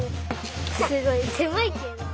すごいせまいけど。